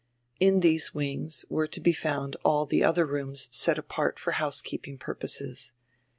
In these wings were to be found all tire other roonrs set apart for house keeping purposes.